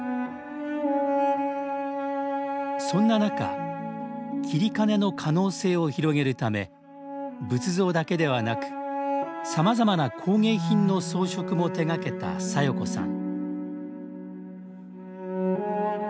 そんな中截金の可能性を広げるため仏像だけではなくさまざまな工芸品の装飾も手がけた佐代子さん